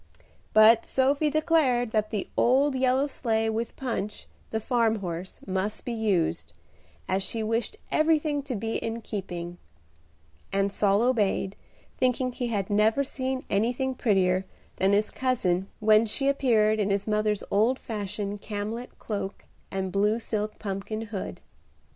But Sophie declared that the old yellow sleigh, with Punch, the farm horse, must be used, as she wished everything to be in keeping; and Saul obeyed, thinking he had never seen anything prettier than his cousin when she appeared in his mother's old fashioned camlet cloak and blue silk pumpkin hood.